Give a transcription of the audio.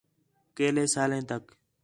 کیلے سالیں تک